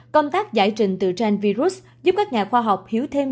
công tác giải trình từ trang virus giúp các nhà khoa học hiểu thêm